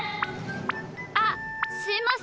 あっすいません。